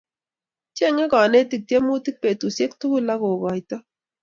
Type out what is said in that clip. chengu konetic tiemutik betusiek tukul akukoito